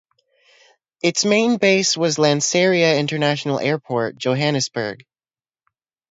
Its main base was Lanseria International Airport, Johannesburg.